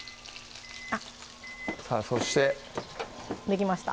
さぁそしてできました？